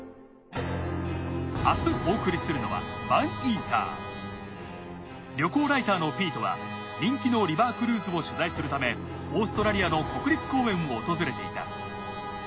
明日お送りするのは旅行ライターのピートは人気のリバークルーズを取材するためオーストラリアの国立公園を訪れていた。